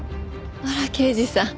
あら刑事さん